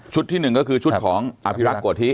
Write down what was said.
ที่๑ก็คือชุดของอภิรักษ์โกธิ